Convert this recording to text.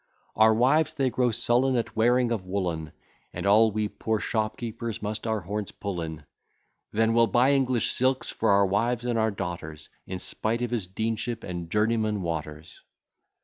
Our wives they grow sullen At wearing of woollen, And all we poor shopkeepers must our horns pull in. Then we'll buy English silks for our wives and our daughters, In spite of his deanship and journeyman Waters.